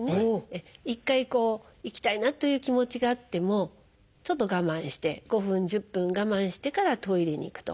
一回行きたいなという気持ちがあってもちょっと我慢して５分１０分我慢してからトイレに行くと。